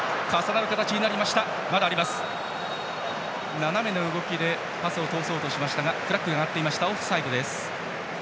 斜めの動きでパスを通そうとしましたがフラッグが上がって、オフサイド。